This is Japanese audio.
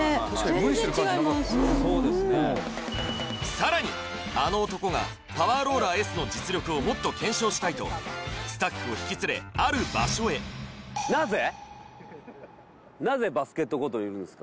さらにあの男がパワーローラーＳの実力をもっと検証したいとスタッフを引き連れある場所へにいるんですか